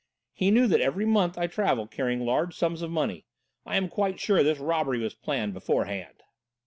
He knew that every month I travel, carrying large sums of money. I am quite sure this robbery was planned beforehand."